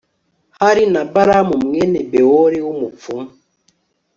hari na balamu mwene bewori w'umupfumu